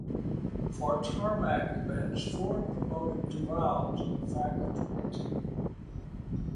For tarmac events, Ford promoted Duval to the factory team.